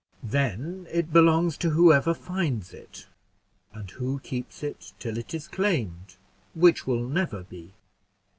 "Then it belongs to whoever finds it, and who keeps it till it is claimed which will never be."